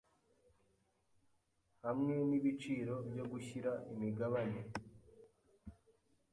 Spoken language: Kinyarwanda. hamwe n ibiciro byo gushyira imigabane